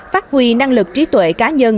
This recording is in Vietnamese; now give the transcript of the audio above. phát huy năng lực trí tuệ cá nhân